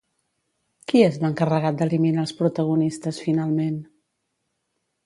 Qui és l'encarregat d'eliminar els protagonistes finalment?